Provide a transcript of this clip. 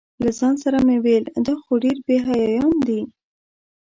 له ځان سره مې ویل دا خو ډېر بې حیایان دي.